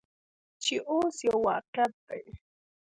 چې اوس یو واقعیت دی.